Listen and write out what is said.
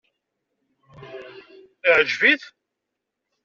Iɛǧeb-it?